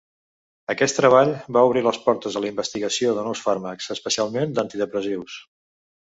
Aquest treball va obrir les portes a la investigació de nous fàrmacs, especialment d'antidepressius.